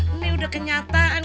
ini udah kenyataan